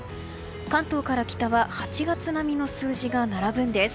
関東から北は８月並みの数字が並ぶんです。